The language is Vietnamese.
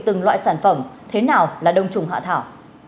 từng loại sản phẩm thế nào là đông trùng hạ thảo